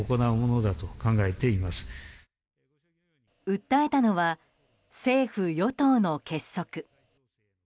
訴えたのは政府・与党の結束。